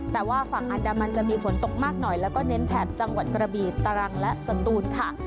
แต่ว่าฝั่งอันดามันจะมีฝนตกมากหน่อยแล้วก็เน้นแถบจังหวัดกระบีตรังและสตูนค่ะ